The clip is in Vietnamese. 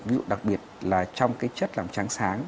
ví dụ đặc biệt là trong cái chất làm tráng sáng